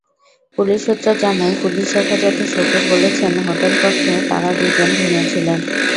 Police সূত্র জানায়, police হেফাজতে শওকত বলেছেন, হোটেল কক্ষে তাঁরা দুজন ঘুমিয়ে ছিলেন।